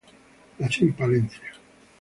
Nació en Palencia.